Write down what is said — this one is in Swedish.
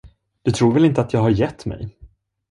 Du tror väl inte att jag har gett mig?